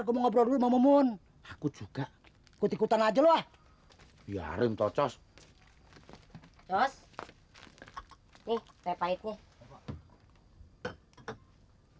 gua ngobrol mau mau pun aku juga ikut ikutan aja loh biarin tocos hai sos nih repainnya